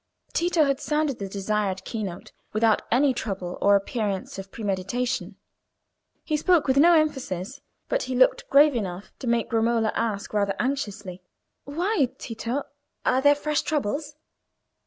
Tito had sounded the desired key note without any trouble, or appearance of premeditation. He spoke with no emphasis, but he looked grave enough to make Romola ask rather anxiously— "Why, Tito? Are there fresh troubles?"